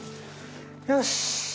よし。